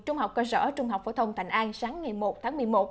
trung học cơ sở trung học phổ thông thành an sáng ngày một tháng một mươi một